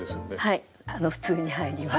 はい普通に入ります。